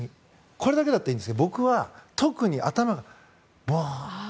これだけならいいんですが僕は特に、頭がぼーっと。